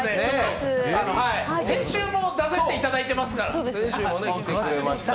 先週も出させていただいてますから。